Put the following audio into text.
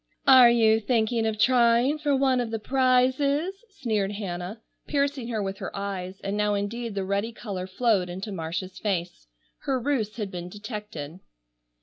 "Are you thinking of trying for one of the prizes?" sneered Hannah, piercing her with her eyes, and now indeed the ready color flowed into Marcia's face. Her ruse had been detected.